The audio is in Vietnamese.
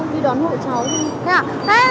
đi đón hộ cháu đi